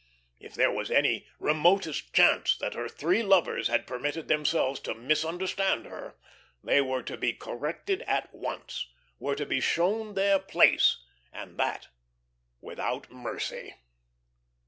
If there was any remotest chance that her three lovers had permitted themselves to misunderstand her, they were to be corrected at once, were to be shown their place, and that without mercy.